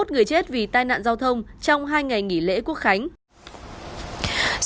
bốn mươi một người chết vì tai nạn giao thông trong hai ngày nghỉ lễ quốc khánh